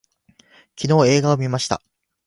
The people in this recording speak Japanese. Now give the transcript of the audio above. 昨日映画を見ました